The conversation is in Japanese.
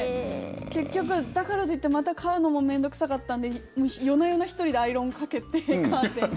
結局、だからといってまた買うのも面倒臭かったので夜な夜な１人でアイロンかけてカーテンに。